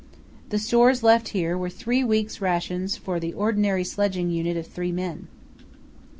The stores left here were three weeks' rations for the ordinary sledging unit of three men.